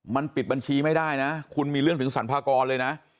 มันปิดบัญชีไม่ได้นะคุณมีเรื่องถึงสรรพากรเลยนะ